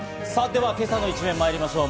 では今朝の一面、まいりましょう。